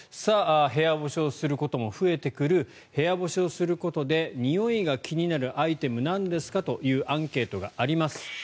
部屋干しをすることも増えてくる部屋干しをすることでにおいが気になるアイテムなんですかというアンケートがあります。